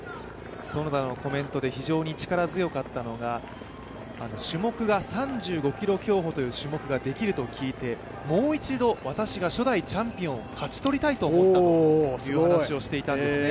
園田のコメントで非常に力強かったのが、３５ｋｍ競歩という種目ができると聞いてもう一度私が初代チャンピオンを勝ち取りたいと思ったという話をしていたんですね。